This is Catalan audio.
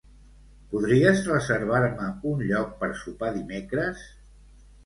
Podries reservar-me un lloc per sopar dimecres?